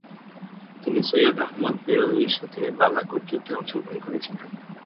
তিনি সৈয়দ আহমদ বেরলভির সাথে বালাকোট যুদ্ধে অংশগ্রহণ করেছিলেন।